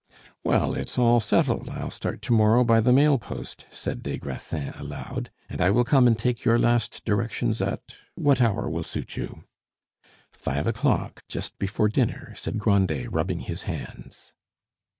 "Well, it's all settled. I'll start to morrow by the mail post," said des Grassins aloud, "and I will come and take your last directions at what hour will suit you?" "Five o'clock, just before dinner," said Grandet, rubbing his hands.